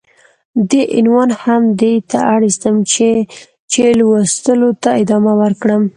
دې عنوان هم دې ته اړيستم چې ،چې لوستلو ته ادامه ورکړم.